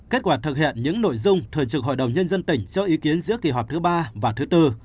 kết quả thực hiện những nội dung thường trực hội đồng nhân dân tỉnh cho ý kiến giữa kỳ họp thứ ba và thứ bốn